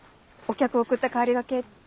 お客を送った帰りがけ